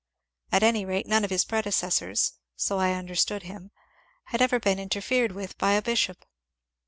At any rate, none of his predecessors — so I understood him — had ever been interfered with by a bishop.